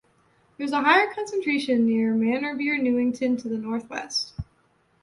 There is a higher concentration near Manorbier Newton to the northwest.